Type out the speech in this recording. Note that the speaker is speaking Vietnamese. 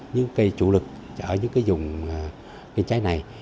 những cây trụ lực ở những dùng cây trái này